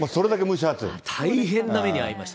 大変な目に遭いました。